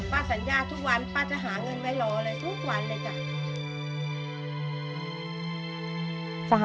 สัญญาทุกวันป้าจะหาเงินไว้รอเลยทุกวันเลยจ้ะ